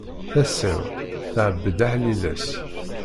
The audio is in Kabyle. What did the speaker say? Tasa-w tɛebbed aḥliles.